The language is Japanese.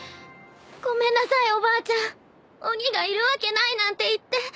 ごめんなさいおばあちゃん鬼がいるわけないなんて言って。